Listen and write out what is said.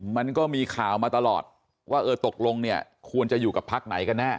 มันก็มีข่าวมาตลอดว่าเออตกลงเนี่ยควรจะอยู่กับพักไหนกันแน่